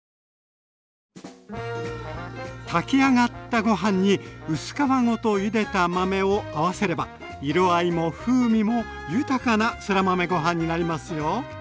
炊き上がったご飯に薄皮ごと茹でた豆を合わせれば色合いも風味も豊かなそら豆ご飯になりますよ。